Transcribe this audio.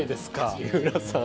三浦さん